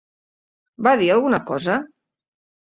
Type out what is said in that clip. Va dir alguna cosa?